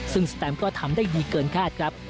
ซึ่งสแตมก็ทำได้ดีเกินคาดครับ